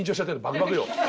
バクバクよ。